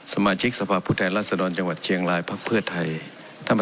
สมาชิกสภาพผู้แทนรัศดรจังหวัดเชียงรายพักเพื่อไทย